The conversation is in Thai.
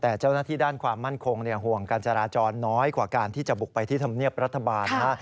แต่เจ้าหน้าที่ด้านความมั่นคงห่วงการจราจรน้อยกว่าการที่จะบุกไปที่ธรรมเนียบรัฐบาลนะฮะ